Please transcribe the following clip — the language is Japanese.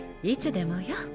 いつでもよ。